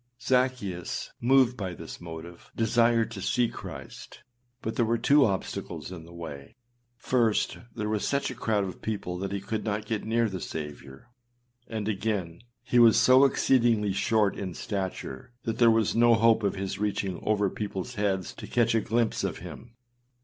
Zaccheus, moved by this motive, desired to see Christ; but there were two obstacles in the way: first, there was such a crowd of people that he could not get near the Saviour; and again, he was so exceedingly short in stature that there was no hope of his reaching over peopleâs heads to catch a glimpse of him.